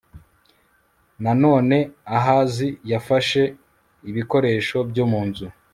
nanone ahazi yafashe ibikoresho byo mu nzu